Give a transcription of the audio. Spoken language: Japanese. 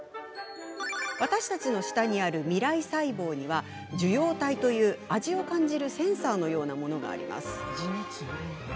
私たちの舌にある味蕾細胞には受容体という、味を感じるセンサーのようなものがあります。